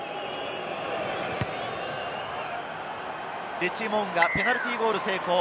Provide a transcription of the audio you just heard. リッチー・モウンガ、ペナルティーゴール成功。